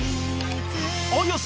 ［およそ